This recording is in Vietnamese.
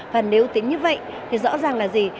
và nếu tính như vậy thì rõ ràng là gì